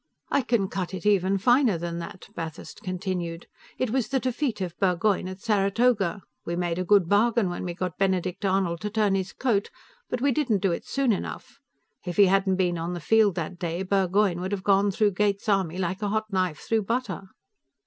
"I can cut it even finer than that," Bathurst continued. "It was the defeat of Burgoyne at Saratoga. We made a good bargain when we got Benedict Arnold to turn his coat, but we didn't do it soon enough. If he hadn't been on the field that day, Burgoyne would have gone through Gates' army like a hot knife through butter."